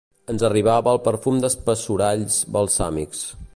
Ens arribava el perfum d'espessoralls balsàmics.